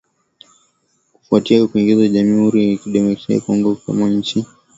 kufuatia kuingizwa kwa Jamhuri ya Kidemokrasi ya Kongo kuwa mwanachama mpya katika jumuiya hiyo